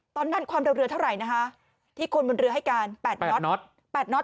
ตอนนั้นความเรือเท่าไรนะคะที่คนบนเรือให้การแปดน็อต